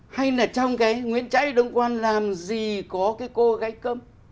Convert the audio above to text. hay là trong cái nguyễn trãi đông quan làm gì có cái cô gái cầm